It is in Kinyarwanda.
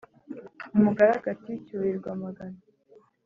umugaragu ati: “cyurirwa amagana”